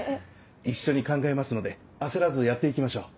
一緒に考えますので焦らずやっていきましょう。